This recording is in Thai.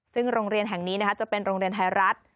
ซึ่งโรงเรียนแห่งนี้จะเป็นโรงเรียนไทยรัฐ